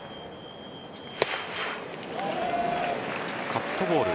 カットボール。